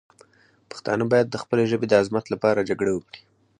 پښتانه باید د خپلې ژبې د عظمت لپاره جګړه وکړي.